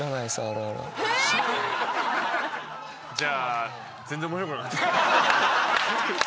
じゃあ。